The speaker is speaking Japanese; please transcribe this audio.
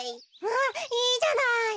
あっいいじゃない。